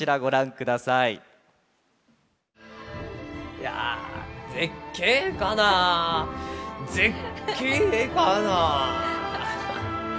いや「絶景かな絶景かな」。